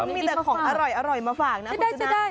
มีแต่ของอร่อยมาฝากนะคุณชนะ